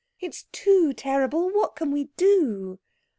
It's too terrible. What can we do?"